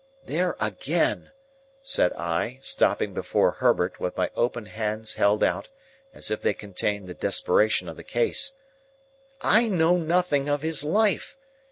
"There, again!" said I, stopping before Herbert, with my open hands held out, as if they contained the desperation of the case. "I know nothing of his life.